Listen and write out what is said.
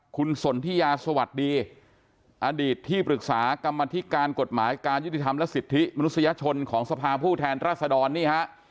คุณสนทิยาสวัสดีอดีตที่ปรึกษากรรมธิการกฎหมายการยุติธรรมและสิทธิมนุษยชนของสภาผู้แทนรัศดรนี่ฮะ